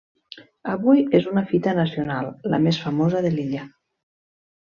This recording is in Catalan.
Avui és una fita nacional, la més famosa de l'illa.